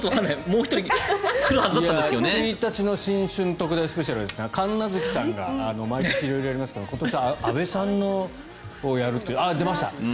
１日の新春特大スペシャルは神無月さんが毎年色々やりますけど今年は安部さんをやるという。